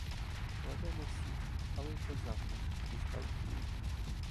Кладемо всіх, але й козак наш дістав кулю.